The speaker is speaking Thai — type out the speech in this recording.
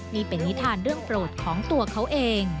นี่เป็นนิทานเรื่องโปรดของตัวเขาเอง